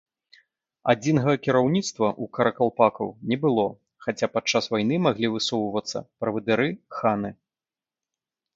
Адзінага кіраўніцтва ў каракалпакаў не было, хаця падчас вайны маглі высоўвацца правадыры-ханы.